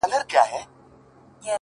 زه به هم داسي وكړم،